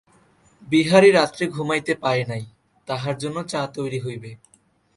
বিহারী রাত্রে ঘুমাইতে পায় নাই, তাহার জন্য চা তৈরি হইবে।